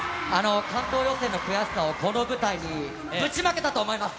関東予選の悔しさをこの舞台にぶちまけたと思います！